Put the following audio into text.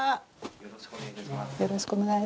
よろしくお願いします。